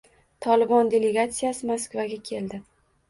«Tolibon» delegatsiyasi Moskvaga keldi